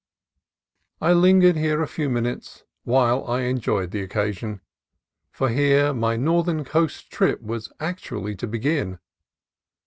I lingered here a few minutes while I enjoyed the occasion, for here my northern coast trip was actu ally to begin.